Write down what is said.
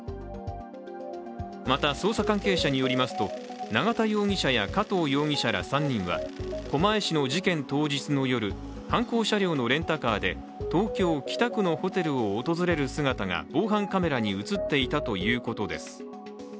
また、捜査関係者によりますと永田容疑者や加藤容疑者ら３人は狛江市の事件当日の夜、犯行車両のレンタカーで東京・北区のホテルを訪れる姿が防犯カメラに映っていたということです。